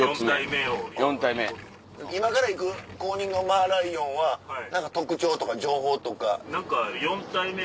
今から行く公認のマーライオンは何か特徴とか情報とか。